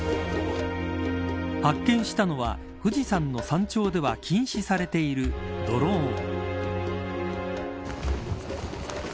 発見したのは富士山の山頂では禁止されているドローン。